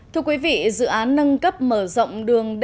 thưa quý vị dự án nâng cấp mở rộng đường